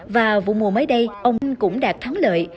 và vụ mùa mới đây ông cũng đạt thắng lợi